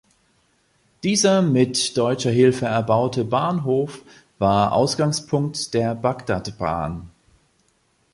Dieser mit deutscher Hilfe erbaute Bahnhof war Ausgangspunkt der Bagdadbahn.